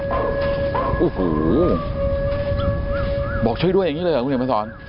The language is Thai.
โอ้โหบอกช่วยด้วยอย่างนี้เลยเหรอคุณเห็นมาสอน